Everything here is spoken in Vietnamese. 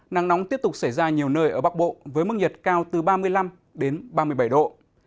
nắng nóng tiếp tục xảy ra nhiều nơi ở bắc bộ với mức nhiệt cao từ ba mươi năm đến ba mươi bảy độ